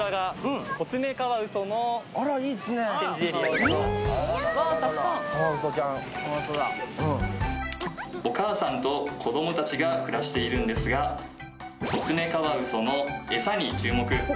ホントだお母さんと子どもたちが暮らしているんですがコツメカワウソのエサに注目